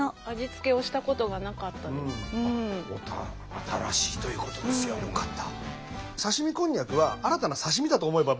新しいということですよ。よかった。